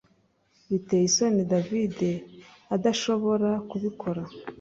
Biteye isoni David adashobora kubikora